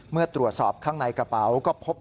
เมื่อตรวจสอบข้างในกระเป๋าก็พบ